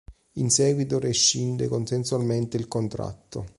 In seguito rescinde consensualmente il contratto.